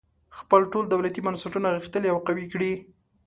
خپل ټول دولتي بنسټونه غښتلي او قوي کړي.